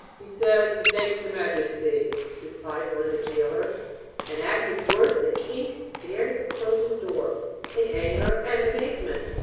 He says, 'he thanks your majesty,' replied one of the gaolers. And at his words, the king stared at the closing door, in anger and amazement.